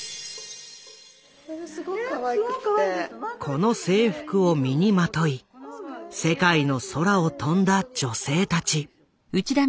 この制服を身にまとい世界の空を飛んだ女性たち。